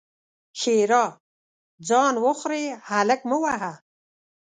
ښېرا: ځان وخورې؛ هلک مه وهه!